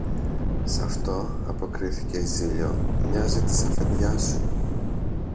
Σ' αυτό, αποκρίθηκε η Ζήλιω, μοιάζει της αφεντιάς σου.